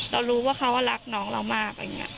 เรารู้ว่าเขาอะรักน้องเรามาก